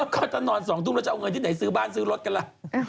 เขาจะนอน๒ทุ่มแล้วจะเอาเงินที่ไหนซื้อบ้านซื้อรถกันล่ะ